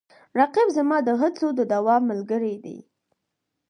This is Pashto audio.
رقیب زما د هڅو د دوام ملګری دی